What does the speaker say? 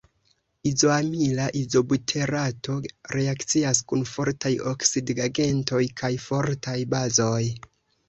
Izoamila izobuterato reakcias kun fortaj oksidigagentoj kaj fortaj bazoj.